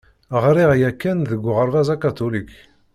Ɣriɣ yakan deg uɣerbaz akatulik.